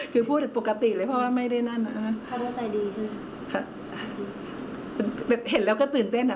คือพูดปกติเลยเพราะว่าไม่ได้นั่นอ่ะเห็นแล้วก็ตื่นเต้นอ่ะ